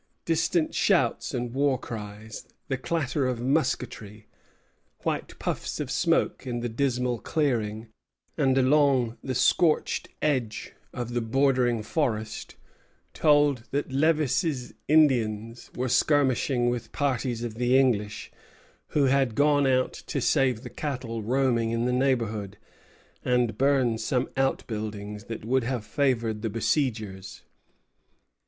Distant shouts and war cries, the clatter of musketry, white puffs of smoke in the dismal clearing and along the scorched edge of the bordering forest, told that Lévis' Indians were skirmishing with parties of the English, who had gone out to save the cattle roaming in the neighborhood, and burn some out buildings that would have favored the besiegers.